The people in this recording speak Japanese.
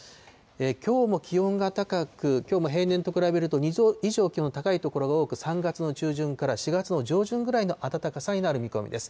きょうも気温が高く、きょうも平年と比べると、２度以上気温の高い所が多く、３月の中旬から４月の上旬ぐらいの暖かさになる見込みです。